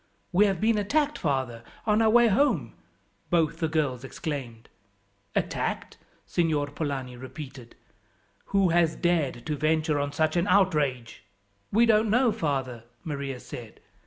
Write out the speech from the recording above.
"We have been attacked, father, on our way home," both the girls exclaimed. "Attacked?" Signor Polani repeated. "Who has dared to venture on such an outrage?" "We don't know, father," Maria said.